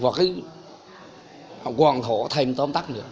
hoặc cái hoàn thổ thêm tốm tắc nữa